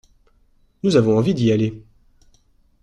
Nous avons envie d’y aller.